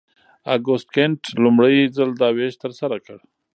اګوست کنت لومړی ځل دا ویش ترسره کړ.